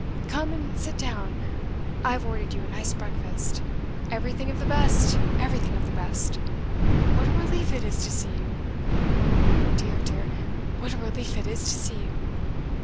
Come and sit down; I've ordered you a nice breakfast. Everything of the best! everything of the best! What a relief it is to see you! Oh, dear, dear, what a relief it is to see you."